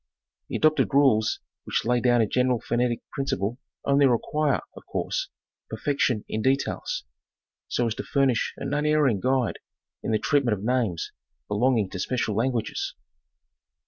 The adopted rules which lay down a general phonetic principle only require, of course, perfection in details, so as to furnish an unerring guide in the treatment of names belonging to special languages.